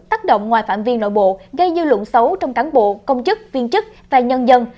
tác động ngoài phạm vi nội bộ gây dư luận xấu trong cán bộ công chức viên chức và nhân dân